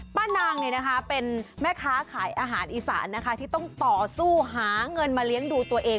นางเป็นแม่ค้าขายอาหารอีสานนะคะที่ต้องต่อสู้หาเงินมาเลี้ยงดูตัวเอง